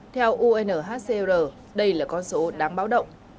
theo unhcr đây là con số đáng báo động